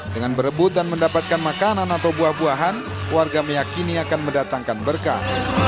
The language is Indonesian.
dengan berebut dan mendapatkan makanan atau buah buahan warga meyakini akan mendatangkan berkah